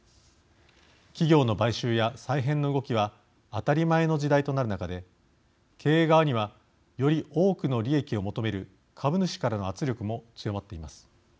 企業の買収や再編の動きは当たり前の時代となる中で経営側にはより多くの利益を求める株主からの圧力も強まっています。